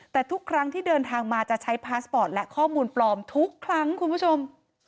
แต่ทุกครั้งที่เดินทางมาจะใช้พาสปอร์ตและข้อมูลปลอมทุกครั้งคุณผู้ชม